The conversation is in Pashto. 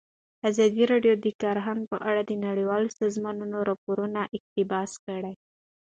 ازادي راډیو د کرهنه په اړه د نړیوالو سازمانونو راپورونه اقتباس کړي.